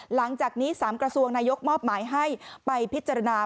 หลังจากนี้๓กระทรวงนายกมอบหมายให้ไปพิจารณา